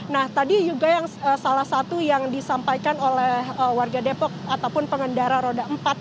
nah tadi juga yang salah satu yang disampaikan oleh warga depok ataupun pengendara roda empat